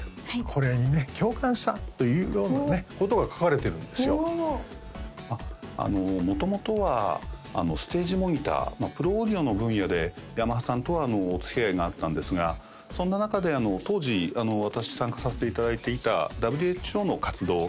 これにね共感したというようなねことが書かれてるんですよお元々はステージモニタープロオーディオの分野でヤマハさんとはおつきあいがあったんですがそんな中で当時私参加させていただいていたＷＨＯの活動